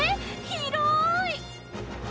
広い！